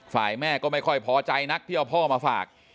แม่ก็ไม่ค่อยพอใจนักที่เอาพ่อมาฝาก